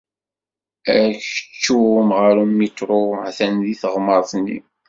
Akeččum ɣer umiṭru atan deg teɣmert-nni.